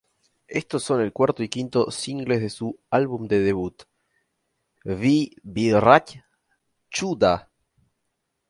Estos son el cuarto y quinto singles de su álbum de debut, Выбирать чудо.